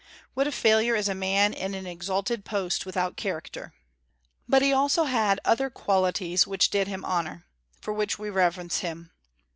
What a failure is a man in an exalted post without character! But he had also other qualities which did him honor, for which we reverence him.